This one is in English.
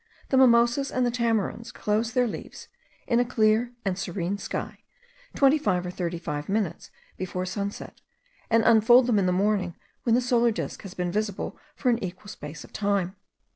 The mimosas and the tamarinds close their leaves, in a clear and serene sky, twenty five or thirty five minutes before sunset, and unfold them in the morning when the solar disk has been visible for an equal space of time.